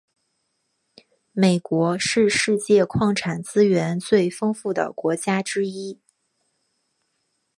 美国是世界矿产资源最丰富的国家之一。